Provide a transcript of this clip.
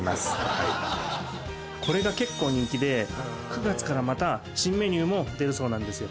はいこれが結構人気で９月からまた新メニューも出るそうなんですよ